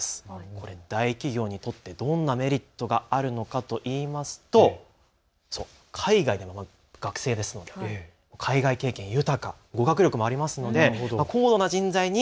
これは大企業にとってどんなメリットがあるのかというと海外で学ぶ学生ですので海外経験豊か、語学力もありますので高度な人材に